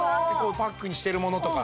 パックにしてるものとか。